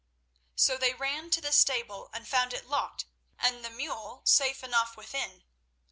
So they ran to the stable and found it locked and the mule safe enough within.